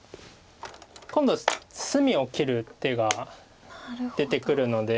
今度隅を切る手が出てくるので。